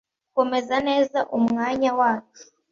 komeza neza umwanya wacu